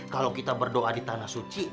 kalau kita berdoa di tanah suci